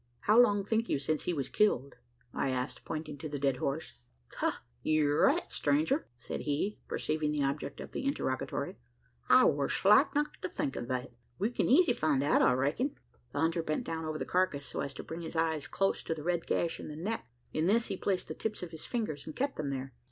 "How long think you since he was killed?" I asked, pointing to the dead horse. "Ha! ye're right, stranger!" said he, perceiving the object of the interrogatory. "I war slack not to think o' that. We kin easy find out, I reck'n." The hunter bent down over the carcass, so as to bring his eyes close to the red gash in the neck. In this he placed the tips of his fingers, and kept them there.